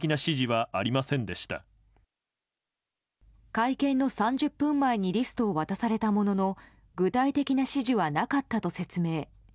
会見の３０分前にリストを渡されたものの具体的な指示はなかったと説明。